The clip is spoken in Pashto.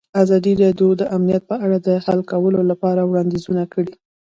ازادي راډیو د امنیت په اړه د حل کولو لپاره وړاندیزونه کړي.